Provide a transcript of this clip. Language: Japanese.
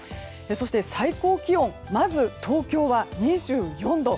そして、最高気温まず東京は２４度。